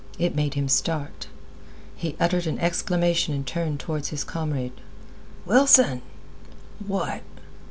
It made him start. He uttered an exclamation and turned toward his comrade. "Wilson!" "What?"